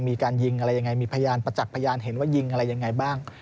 มีการยิงอะไรยังไงมีพยานประจักษ์พยานเห็นว่ายิงอะไรยังไงบ้าง